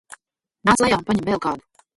Nāc lejā un paņem vēl kādu!